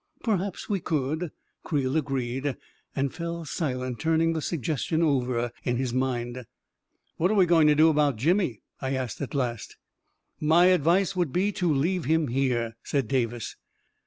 " Perhaps we could," Creel agreed, and fell si lent, turning the suggestion over in his mind. "What are we going to do about Jimmy?" I asked, at last " My advice would be to leave him here," said Davis.